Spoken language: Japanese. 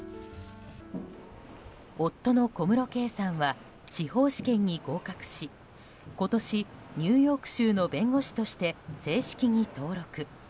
夫の小室圭さんは司法試験に合格し今年、ニューヨーク州の弁護士として正式に登録。